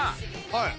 はい。